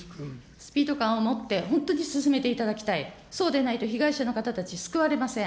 スピード感を持って、本当に進めていただきたい、そうでないと被害者の方たち、救われません。